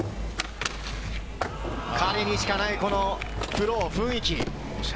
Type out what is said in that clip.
彼にしかない、このフロー、雰囲気。